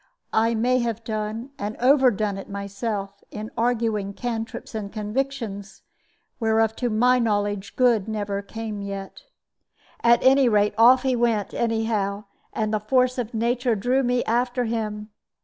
I may have done, and overdone it myself, in arguing cantrips and convictions, whereof to my knowledge good never came yet. At any rate, off he went anyhow, and the force of nature drew me after him.